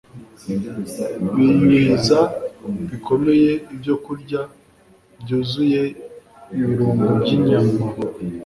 biyuhiza bikomeye ibyokurya byuzuye ibirungo byinyama